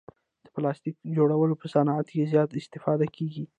د پلاستیک جوړولو په صعنت کې زیاته استفاده کیږي.